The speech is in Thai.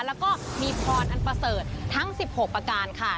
แล้วก็มีพรอันประเสริฐทั้ง๑๖ประการค่ะ